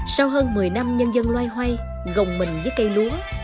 sau hơn một mươi năm nhân dân loay hoay gồng mình với cây lúa